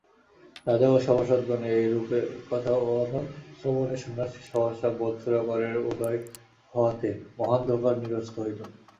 রাজা ও সভাসদগণের এইরূপ কথোপকথন শ্রবণে সন্ন্যাসীর সহসা বোধসুধাকরের উদয় হওয়াতে মোহান্ধকার নিরস্ত হইল।